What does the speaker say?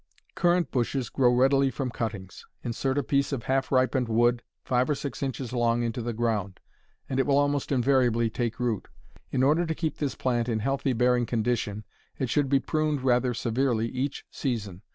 Currant bushes grow readily from cuttings. Insert a piece of half ripened wood five or six inches long into the ground and it will almost invariably take root. In order to keep this plant in healthy bearing condition it should be pruned rather severely each season.